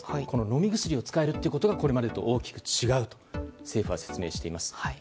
この飲み薬が使えるところがこれまでと大きく違うと政府は説明しています。